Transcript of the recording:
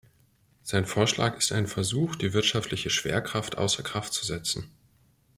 Sein Vorschlag ist ein Versuch, die wirtschaftliche Schwerkraft außer Kraft zu setzen.